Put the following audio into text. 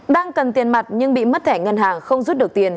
đang cần tiền mặt nhưng bị mất thẻ ngân hàng không rút được tiền